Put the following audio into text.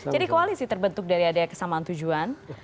jadi koalisi terbentuk dari ada kesamaan tujuan